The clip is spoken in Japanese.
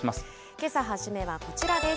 けさ初めはこちらです。